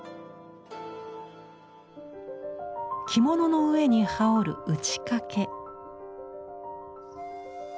着物の上に羽織る打掛。